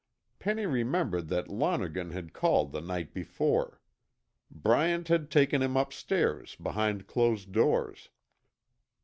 Penny remembered that Lonergan had called the night before. Bryant had taken him upstairs, behind closed doors.